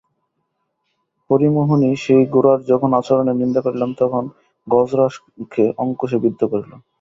হরিমোহিনী সেই গোরার যখন আচরণের নিন্দা করিলেন তখন গজরাজকে অঙ্কুশে বিদ্ধ করিল।